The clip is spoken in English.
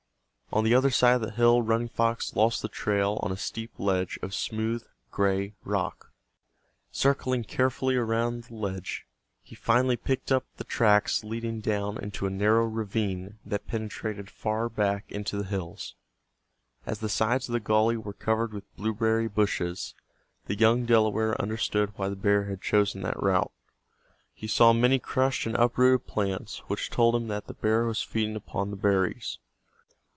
On the other side of the hill Running Fox lost the trail on a steep ledge of smooth gray rock. Circling carefully around the ledge he finally picked up the tracks leading down into a narrow ravine that penetrated far back into the hills. As the sides of the gully were covered with blueberry bushes, the young Delaware understood why the bear had chosen that route. He saw many crushed and uprooted plants which told him that the hear was feeding upon the berries.